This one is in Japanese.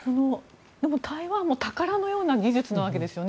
でも、台湾も宝のような技術なわけですよね。